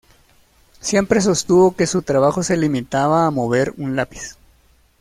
Siempre sostuvo que su trabajo se limitaba a mover un lápiz.